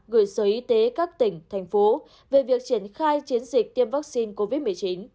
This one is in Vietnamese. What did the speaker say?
gửi sở y tế các tỉnh thành phố về việc triển khai chiến dịch tiêm vaccine covid một mươi chín